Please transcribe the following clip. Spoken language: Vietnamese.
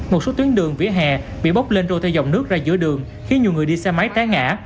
một số tuyến đường vỉa hè bị bốc lên trôi theo dòng nước ra giữa đường khiến nhiều người đi xe máy té ngã